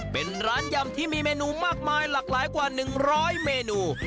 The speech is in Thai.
เป็นร้านยำที่มีเมนูมากมายหลากหลายกว่า๑๐๐เมนู